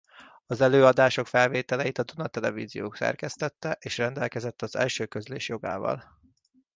Az előadások felvételeit a Duna Televízió szerkesztette és rendelkezett az első közlés jogával.